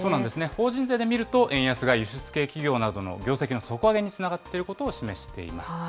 法人税で見ると、円安が輸出系企業などの業績の底上げにつながっていることを示しています。